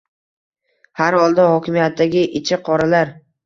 Har holda hokimiyatdagi ichi qoralar